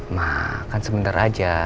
ma kan sebentar aja